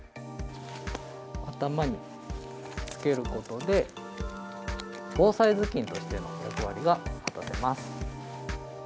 頭につけることで、防災頭巾としての役割が果たせます。